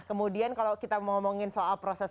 kemudian kalau kita mau ngomongin soal proses